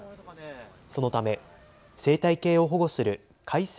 そのため生態系を保護する改正